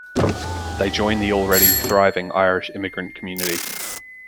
They joined the already thriving Irish immigrant community.